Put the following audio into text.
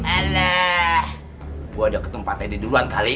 alah gue udah ketemu pak teddy duluan kali